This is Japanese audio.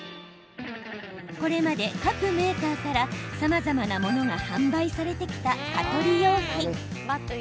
これまで各メーカーからさまざまなものが販売されてきた蚊取り用品。